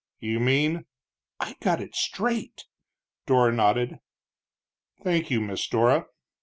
"You mean ?" "I got it straight," Dora nodded. "Thank you, Miss Dora."